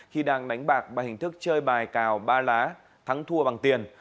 khi đang đánh bạc bằng hình thức chơi bài cào ba lá thắng thua bằng tiền